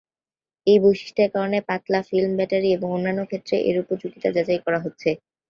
এই বৈশিষ্ট্যের কারণে পাতলা ফিল্ম ব্যাটারি এবং অন্যান্য ক্ষেত্রে এর উপযোগিতা যাচাই করা হচ্ছে।